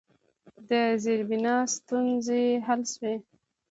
د زیربنا ستونزې حل شوي؟